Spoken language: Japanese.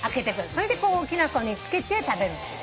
それでこうきな粉につけて食べるっていう。